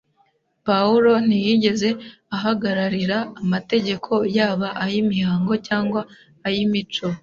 Pawulo ntiyigeze ahagararira amategeko yaba ay’imihango cyangwa ay’imico